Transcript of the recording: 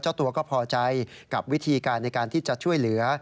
เจ้าตัวก็พอใจกับวิธีการในการที่จะช่วยเหลือ